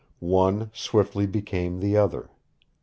One swiftly became the other.